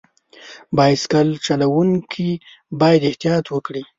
بایسکل چلوونکي باید احتیاط وکړي.